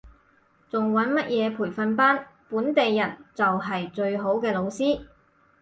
仲揾乜嘢培訓班，本地人就係最好嘅老師